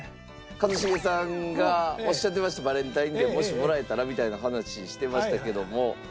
一茂さんがおっしゃってましたバレンタインデーもしもらえたらみたいな話してましたけども。